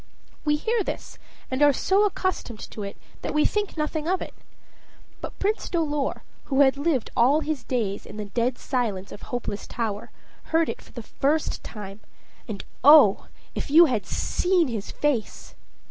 We hear this, and are so accustomed to it that we think nothing of it; but Prince Dolor, who had lived all his days in the dead silence of Hopeless Tower, heard it for the first time. And oh! if you had seen his face.